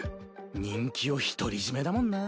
人気を独り占めだもんなぁ。